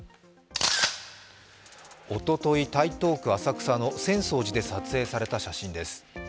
おととい、台東区浅草の浅草寺で撮影された写真です。